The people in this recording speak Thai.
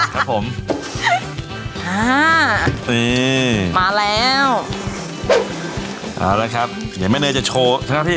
ครับผมอ่านี่มาแล้วเอาละครับเดี๋ยวแม่เนยจะโชว์ใช่ไหมพี่